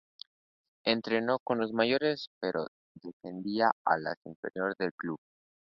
Entrenó con los mayores pero defendía a las inferiores del club.